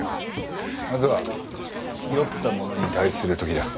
まずは酔った者に対するときだ。